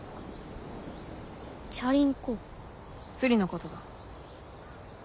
スリのことだ。